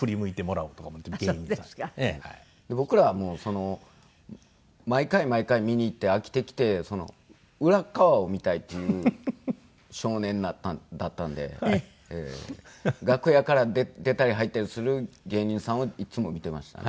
僕らはもう毎回毎回見に行って飽きてきて裏側を見たいという少年だったんで楽屋から出たり入ったりする芸人さんをいっつも見ていましたね。